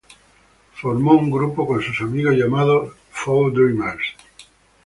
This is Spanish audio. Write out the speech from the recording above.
Formó un grupo con sus amigos llamado "Four Dreamers".